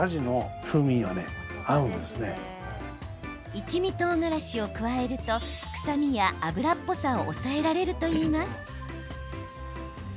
一味とうがらしを加えると臭みや脂っぽさを抑えられるといいます。